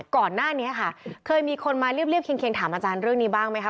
ก่อนหน้านี้ค่ะเคยมีคนมาเรียบเคียงถามอาจารย์เรื่องนี้บ้างไหมคะ